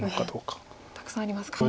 たくさんありますか。